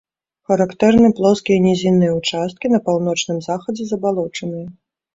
Характэрны плоскія нізінныя ўчасткі, на паўночным захадзе забалочаныя.